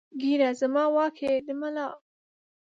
ږېره زما واک ېې د ملا